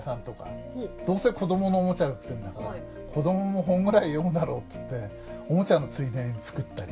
どうせ子どものおもちゃ売ってんだから子どもも本ぐらい読むだろうっつっておもちゃのついでに作ったり。